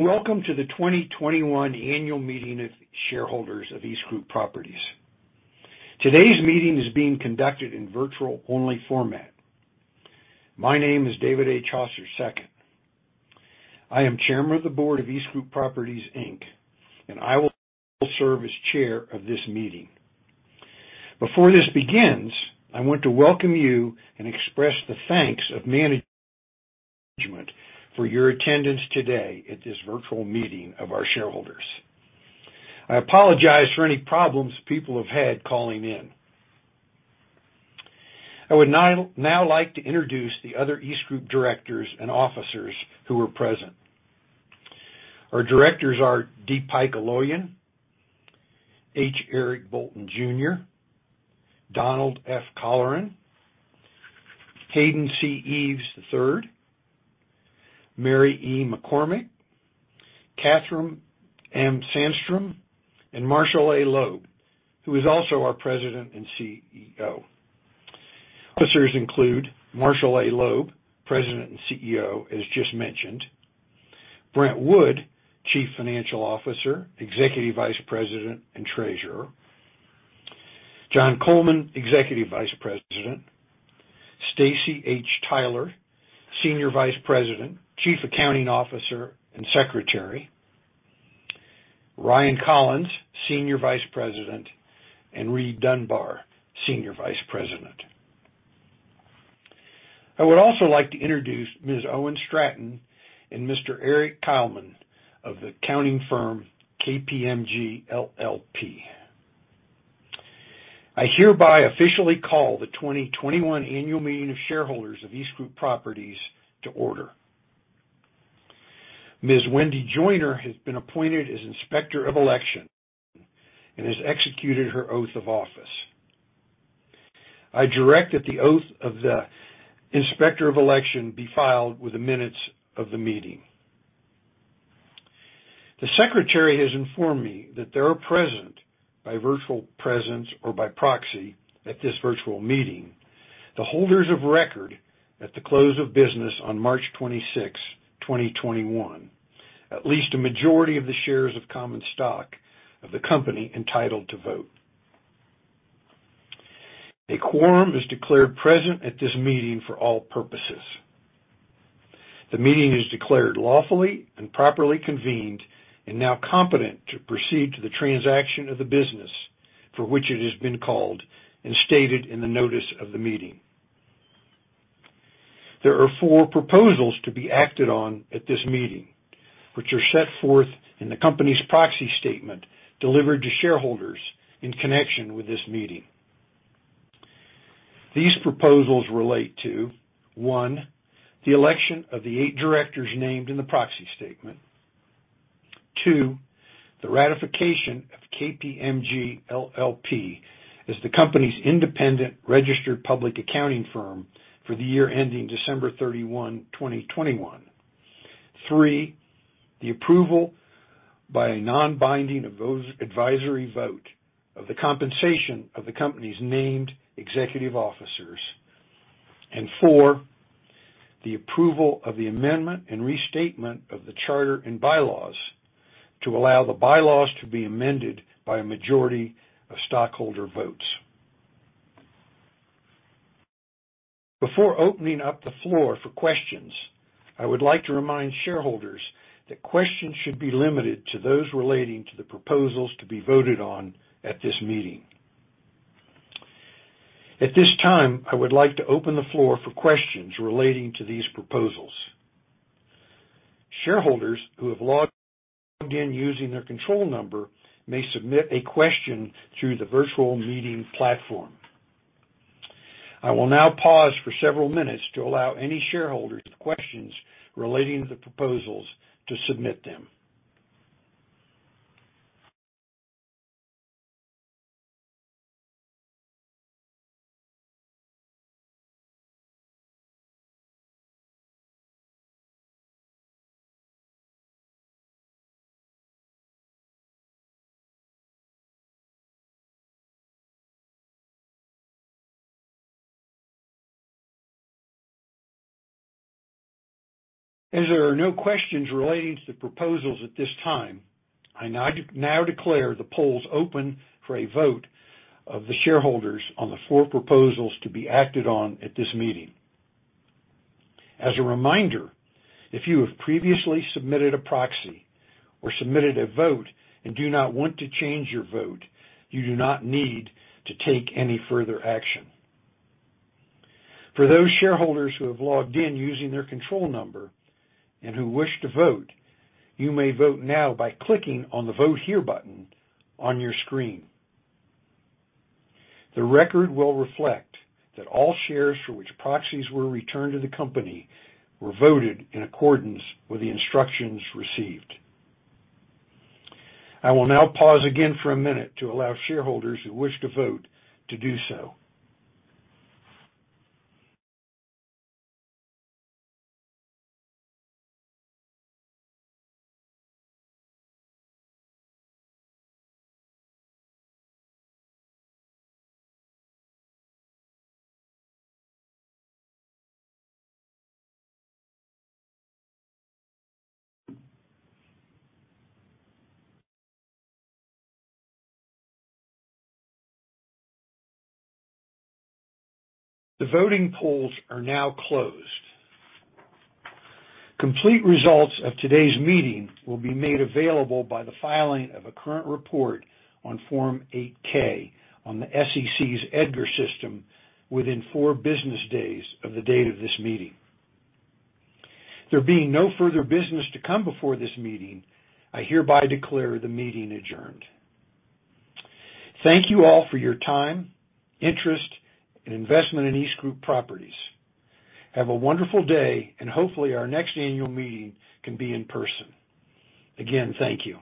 Welcome to the 2021 annual meeting of shareholders of EastGroup Properties. Today's meeting is being conducted in virtual-only format. My name is David H. Hoster II. I am Chairman of the Board of EastGroup Properties, Inc., and I will serve as chair of this meeting. Before this begins, I want to welcome you and express the thanks of management for your attendance today at this virtual meeting of our shareholders. I apologize for any problems people have had calling in. I would now like to introduce the other EastGroup directors and officers who are present. Our directors are D. Pike Aloian, H. Eric Bolton, Jr., Donald F. Colleran, Hayden C. Eaves III, Mary E. McCormick, Katherine M. Sandstrom, and Marshall A. Loeb, who is also our President and CEO. Officers include Marshall A. Loeb.. Loeb, President and CEO, as just mentioned, Brent W. Wood, Chief Financial Officer, Executive Vice President, and Treasurer; John Coleman, Executive Vice President; Staci H. Tyler, Senior Vice President, Chief Accounting Officer, and Secretary; Ryan M. Collins, Senior Vice President; and R. Reid Dunbar, Senior Vice President. I would also like to introduce Ms. Owen Stratton and Mr. Eric Kalman of the accounting firm KPMG LLP. I hereby officially call the 2021 annual meeting of shareholders of EastGroup Properties to order. Ms. Wendy Joiner has been appointed as Inspector of Election and has executed her oath of office. I direct that the oath of the Inspector of Election be filed with the minutes of the meeting. The secretary has informed me that there are present, by virtual presence or by proxy at this virtual meeting, the holders of record at the close of business on March 26, 2021, at least a majority of the shares of common stock of the company entitled to vote. A quorum is declared present at this meeting for all purposes. The meeting is declared lawfully and properly convened and now competent to proceed to the transaction of the business for which it has been called and stated in the notice of the meeting. There are four proposals to be acted on at this meeting, which are set forth in the company's proxy statement delivered to shareholders in connection with this meeting. These proposals relate to, one, the election of the eight directors named in the proxy statement; two, the ratification of KPMG LLP as the company's independent registered public accounting firm for the year ending December 31, 2021; three, the approval by a non-binding advisory vote of the compensation of the company's named executive officers; and four, the approval of the amendment and restatement of the charter and bylaws to allow the bylaws to be amended by a majority of stockholder votes. Before opening up the floor for questions, I would like to remind shareholders that questions should be limited to those relating to the proposals to be voted on at this meeting. At this time, I would like to open the floor for questions relating to these proposals. Shareholders who have logged in using their control number may submit a question through the virtual meeting platform. I will now pause for several minutes to allow any shareholders with questions relating to the proposals to submit them. As there are no questions relating to the proposals at this time, I now declare the polls open for a vote of the shareholders on the four proposals to be acted on at this meeting. As a reminder, if you have previously submitted a proxy or submitted a vote and do not want to change your vote, you do not need to take any further action. For those shareholders who have logged in using their control number and who wish to vote, you may vote now by clicking on the Vote Here button on your screen. The record will reflect that all shares for which proxies were returned to the company were voted in accordance with the instructions received. I will now pause again for a minute to allow shareholders who wish to vote to do so. The voting polls are now closed. Complete results of today's meeting will be made available by the filing of a current report on Form 8-K on the SEC's EDGAR system within four business days of the date of this meeting. There being no further business to come before this meeting, I hereby declare the meeting adjourned. Thank you all for your time, interest, and investment in EastGroup Properties. Hopefully our next annual meeting can be in person. Again, thank you.